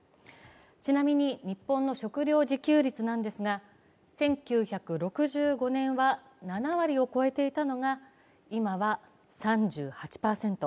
ちなみに日本の食料自給率ですが、１９６５年は７割を超えていたのが今は３８％。